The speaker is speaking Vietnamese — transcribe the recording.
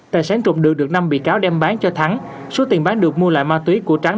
tài sản trộm được năm bị cáo đem bán cho thắng số tiền bán được mua lại ma túy của trắng